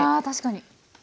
確かに！